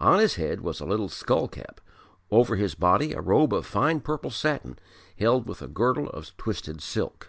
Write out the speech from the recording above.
On his head was a little skull cap, over his body a robe of fine purple satin held with a girdle of twisted silk.